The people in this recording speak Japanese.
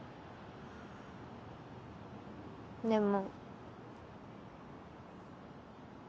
でも。